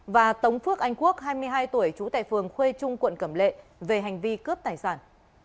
và tống phước anh quốc hai mươi hai tuổi trú tại phường khuê trung quận cẩm lệ về hành vi cướp tài sản